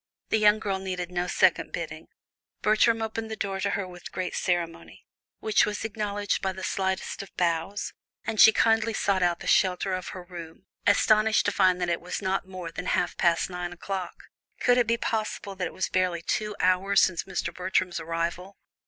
The young girl needed no second bidding; Bertram opened the door to her with great ceremony, which was acknowledged by the slightest of bows, and she gladly sought the shelter of her room, astonished to find that it was not more than half past nine o'clock. Could it be possible that it was barely two hours since Mr. Bertram's arrival?